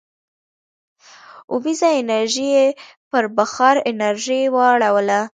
اوبیزه انرژي یې پر بخار انرژۍ واړوله.